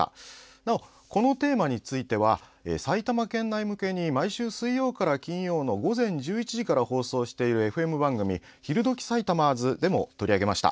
なお、このテーマについては埼玉県内向けに毎週水曜から金曜の午前１１時から放送しているＦＭ番組「ひるどき！さいたまず」でも取り上げました。